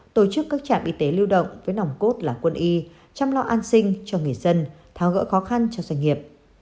tổ chức các trạm y tế lưu động với nòng cốt là quân y chăm lo an sinh cho người dân tháo gỡ khó khăn cho doanh nghiệp